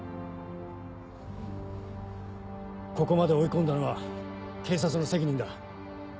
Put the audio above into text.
ここまで追い込んだのは警察の責任だ。